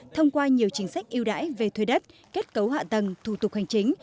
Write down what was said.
thông qua nhiều chính sách yêu đãi về thuê đất kết cấu hạ tầng thủ tục hành chính